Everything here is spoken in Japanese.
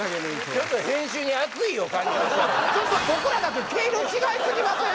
ちょっと僕らだけ毛色違いすぎません？